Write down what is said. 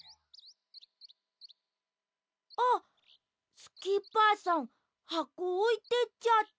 あっスキッパーさんはこおいていっちゃった。